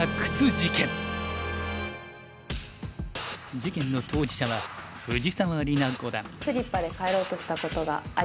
事件の当事者は藤沢里菜五段。